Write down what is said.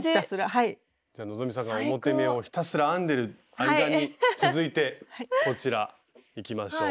希さんが表目をひたすら編んでる間に続いてこちらいきましょう。